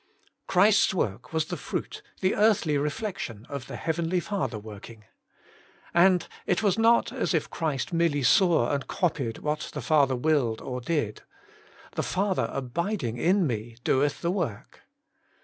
Christ's work was the fruit, the earthly reflection of the Heavenly Father working. And it was not as if Christ merely saw and copied what the Father willed or did :' the Father abiding in Me doeth the work.'